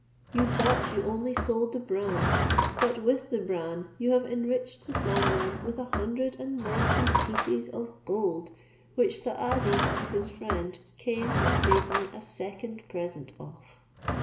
You thought you only sold the bran, but with the bran you have enriched the sandman with a hundred and ninety pieces of gold, which Saadi with his friend came and made me a second present of."